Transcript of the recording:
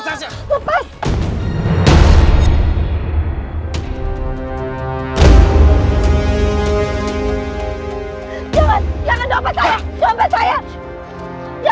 kalau lo mau selamat lo lepasin ya tas